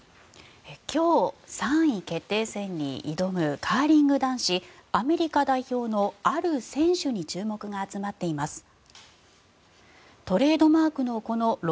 今日、３位決定戦に挑むカーリング男子アメリカ代表のある選手に注目が集まっています。